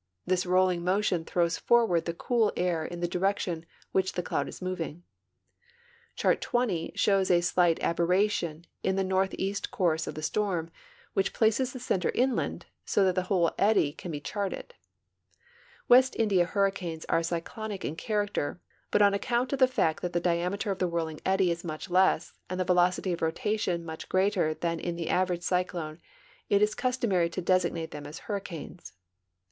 This rolling motion throws forward the cool air in the direction in which the cloud is moving. Chart XX siiows a .slight aberration in the norlheast eourscof 82 STORMS AND WEATHER FORECASTS the storm, which places the center inhmd, so that the wliole eddy can be charted. West India Imrricanes are c}' clonic in character, but on account of the fact that the diameter of the whirling edd_y is much less and the velocit}'' of rotation much greater than in the average cyclone, it is customary to designate them as hurricanes.